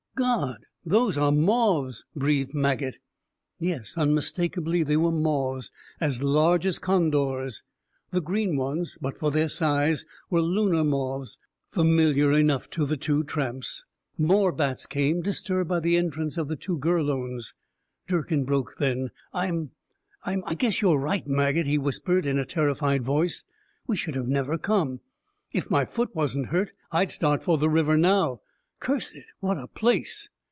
"God, those are moths," breathed Maget. Yes, unmistakably, they were moths, as large as condors. The green ones, but for their size, were lunar moths, familiar enough to the two tramps. More bats came, disturbed by the entrance of the two Gurlones. Durkin broke, then. "I'm I'm I guess you're right, Maget," he whispered, in a terrified voice. "We should have never come. If my foot wasn't hurt, I'd start for the river now. Curse it, what a place!"